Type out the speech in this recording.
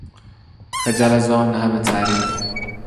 خجل از آن همه تعریف